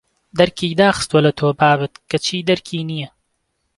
دەرکی داخستووە لە تۆ بابت کەچی دەرکی نییە